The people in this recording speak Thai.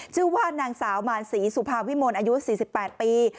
ชื่อว่านางสาวมารศรีสุภาวิมลอายุ๔๘ปี